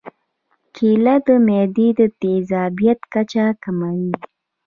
کېله د معدې د تیزابیت کچه کموي.